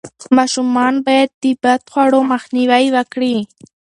ماشومان باید د بدخواړو مخنیوی وکړي.